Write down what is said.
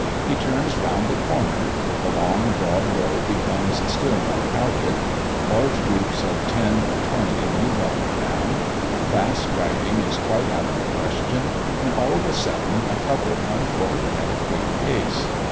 He turns round the corner; the long broad row becomes still more crowded; large groups of ten or twenty move up and down; fast riding is quite out of the question, when all of a sudden a couple come forward at a quick pace.